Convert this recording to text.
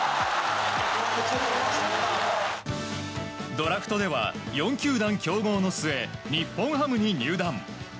ドラフトでは４球団競合の末日本ハムに入団。